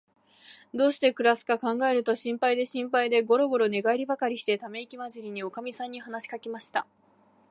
どうしてくらすかかんがえると、心配で心配で、ごろごろ寝がえりばかりして、ためいきまじりに、おかみさんに話しかけました。